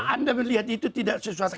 anda melihat itu tidak sesuatu